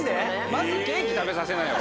まずケーキ食べさせなよ。